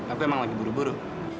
aku emang lagi buru buru